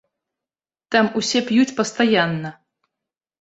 Там усе п'юць пастаянна.